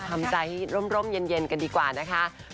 ทำใจให้ร่มเย็นกันดีกว่านะคะ